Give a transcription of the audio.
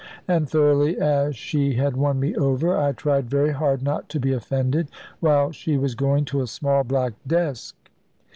And thoroughly as she had won me over, I tried very hard not to be offended, while she was going to a small black desk.